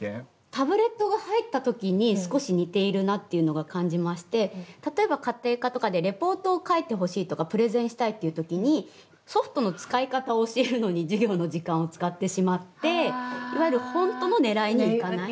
タブレットが入った時に少し似ているなっていうのが感じまして、例えば家庭科とかでレポートを書いてほしいとかプレゼンしたいっていう時にソフトの使い方を教えるのに授業の時間を使ってしまっていわゆる本当のねらいにいかない。